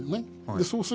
そうすると。